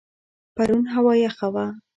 پرون هوا یخه وه.